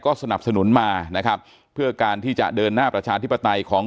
สนับสนุนมานะครับเพื่อการที่จะเดินหน้าประชาธิปไตยของ